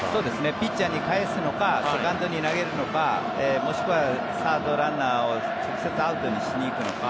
ピッチャーに返すのかセカンドに投げるのかもしくはサードランナーを直接アウトにしに行くのか